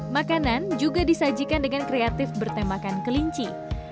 makanan juga disajikan dengan kreatif bertemakan kelinci